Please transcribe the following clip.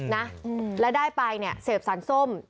นะแล้วได้ไปเสพสารส้ม